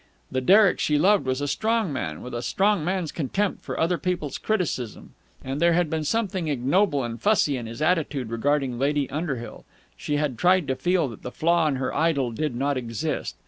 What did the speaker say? The Derek she loved was a strong man, with a strong man's contempt for other people's criticism; and there had been something ignoble and fussy in his attitude regarding Lady Underhill. She had tried to feel that the flaw in her idol did not exist.